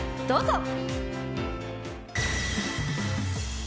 どうぞ。